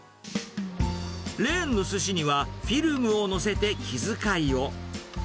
レーンのすしにはフィルムを載せて気遣いを。